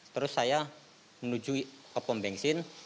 terus saya menuju ke pom bensin